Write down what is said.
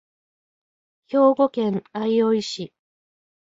兵庫県相生市